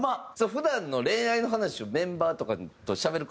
普段の恋愛の話をメンバーとかとしゃべる事はあるんですか？